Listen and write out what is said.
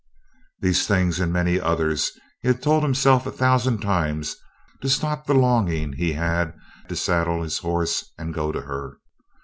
These things and many others he had told himself a thousand times to stop the longing he had to saddle his horse and go to her.